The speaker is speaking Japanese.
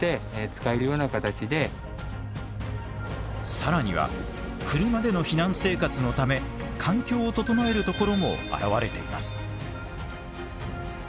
更には車での避難生活のため環境を整えるところも現れています。